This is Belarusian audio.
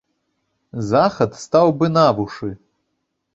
Захад стаў бы на вушы.